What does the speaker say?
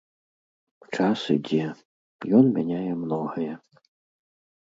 Час ідзе, ён мяняе многае.